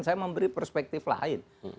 saya memberi perspektif lain